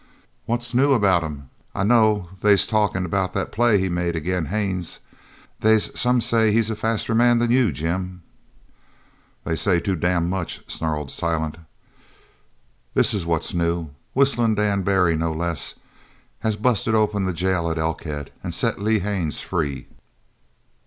"What's new about him? I know they're talkin' about that play he made agin Haines. They's some says he's a faster man than you, Jim!" "They say too damned much!" snarled Silent. "This is what's new. Whistlin' Dan Barry no less has busted open the jail at Elkhead an' set Lee Haines free."